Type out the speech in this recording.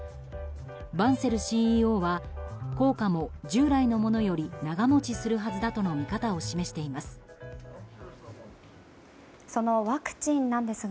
バンセルＣＥＯは効果も従来のものより長持ちするはずだとの見方を示しています。